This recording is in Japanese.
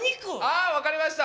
あ分かりました！